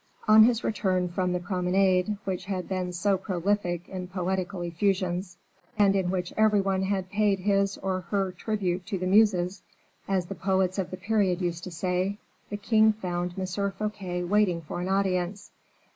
On his return from the promenade, which had been so prolific in poetical effusions, and in which every one had paid his or her tribute to the Muses, as the poets of the period used to say, the king found M. Fouquet waiting for an audience.